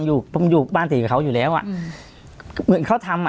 อยู่ผมอยู่บ้านติดกับเขาอยู่แล้วอ่ะเหมือนเขาทำอ่ะ